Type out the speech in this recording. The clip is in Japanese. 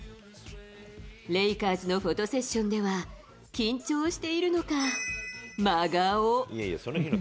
レイカーズのフォトセッションでは、緊張しているのか、真顔。